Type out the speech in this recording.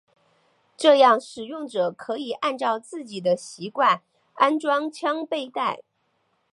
这样使用者可以按照自己的习惯安装枪背带。